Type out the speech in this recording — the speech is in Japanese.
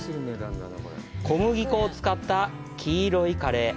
小麦粉を使った黄色いカレー。